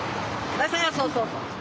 そうそうそう！